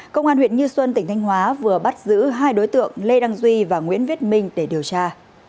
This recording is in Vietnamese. công an huyện như xuân tỉnh thanh hóa vừa bắt giữ hai đối tượng lê đăng duy và nguyễn viết minh để điều tra